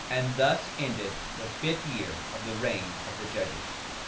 And thus endeth the fifth year of the reign of the judges.